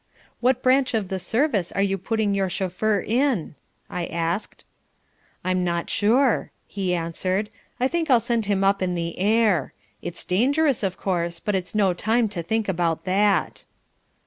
"What branch of the service are you putting your chauffeur in?" I asked. "I'm not sure," he answered. "I think I'll send him up in the air. It's dangerous, of course, but it's no time to think about that."